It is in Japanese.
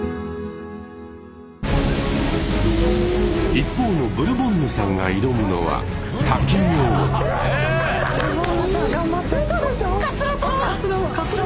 一方のブルボンヌさんが挑むのはうえい！